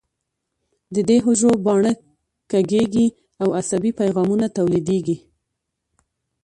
د دې حجرو باڼه کږېږي او عصبي پیغامونه تولیدېږي.